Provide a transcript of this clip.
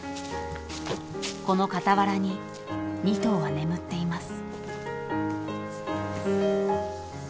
［この傍らに２頭は眠っています］